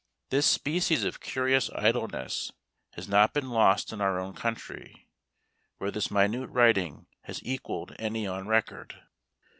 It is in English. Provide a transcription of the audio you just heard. This species of curious idleness has not been lost in our own country, where this minute writing has equalled any on record.